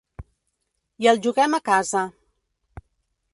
I el juguem a casa.